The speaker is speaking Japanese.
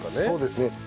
そうですね。